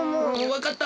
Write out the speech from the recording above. わかった。